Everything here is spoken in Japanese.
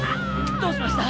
どうしました！？